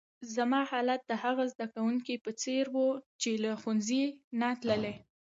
زما حالت د هغه زده کونکي په څېر وو، چي له ښوونځۍ نه تللی.